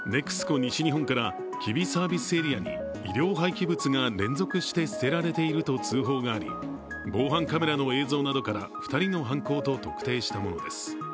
西日本から吉備サービスエリアに医療廃棄物が連続して捨てられていると通報があり、防犯カメラの映像などから２人の犯行と特定したものです。